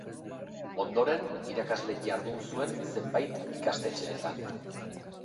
Ondoren, irakasle jardun zuen zenbait ikastetxetan.